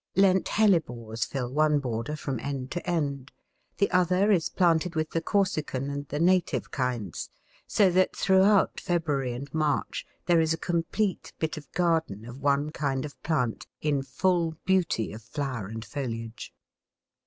Lent Hellebores fill one border from end to end; the other is planted with the Corsican and the native kinds, so that throughout February and March there is a complete bit of garden of one kind of plant in full beauty of flower and foliage.